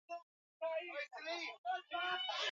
ambazo pengine zinatambulika kieneo Wakazi wengi